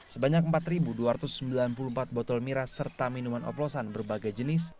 sebanyak empat dua ratus sembilan puluh empat botol miras serta minuman oplosan berbagai jenis